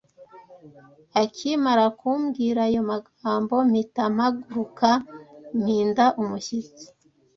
Akimara kumbwira ayo magambo mpita mpaguruka mpinda umushyitsi